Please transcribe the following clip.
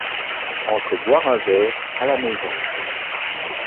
Entre boire un verre à la maison.